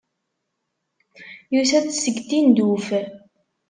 Yusa-d seg Tinduf.